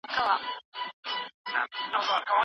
د غوښې ښوروا قوت لري.